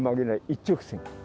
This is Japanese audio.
一直線。